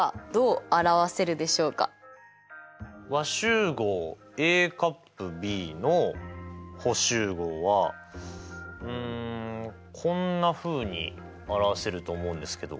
和集合Ａ∪Ｂの補集合はうんこんなふうに表せると思うんですけど。